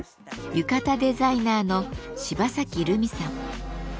浴衣デザイナーの芝崎るみさん。